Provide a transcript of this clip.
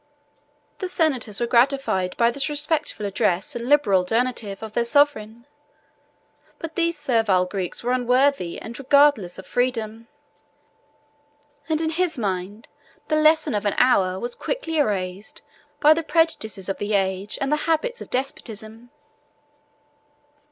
The senators were gratified by the respectful address and liberal donative of their sovereign; but these servile Greeks were unworthy and regardless of freedom; and in his mind, the lesson of an hour was quickly erased by the prejudices of the age and the habits of despotism.